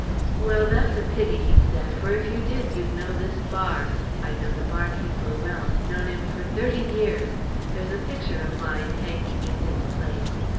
"Well, that's a pity," he said, "for if you did you'd know this bar. I know the barkeeper well, known him for thirty years. There's a picture of mine hanging in his place.